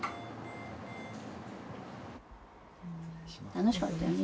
楽しかったよね